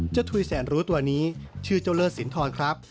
ถุยแสนรู้ตัวนี้ชื่อเจ้าเลิศสินทรครับ